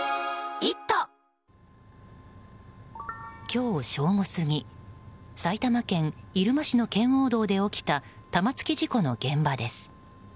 今日正午過ぎ埼玉県入間市の圏央道で起きた玉突き事故の現場です。